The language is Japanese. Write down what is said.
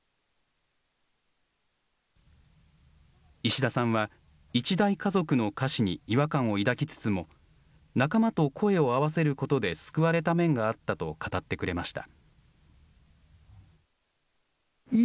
石田さんは、一大家族の歌詞に違和感を抱きつつも、仲間と声を合わせることで救われた面があったと語ってくれました。